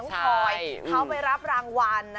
เขาไปรับรางวัล